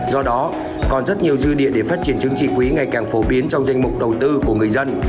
do đó còn rất nhiều dư địa để phát triển trứng chỉ quỹ ngày càng phổ biến trong danh mục đầu tư của người dân